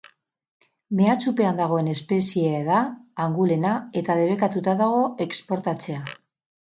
Mehatxupean dagoen espeziea da angulena eta debekatuta dago exportatzea.